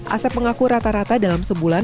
asep mengaku rata rata dalam sebulan